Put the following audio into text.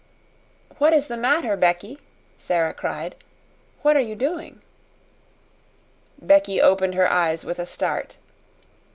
"What is the matter, Becky?" Sara cried. "What are you doing?" Becky opened her eyes with a start.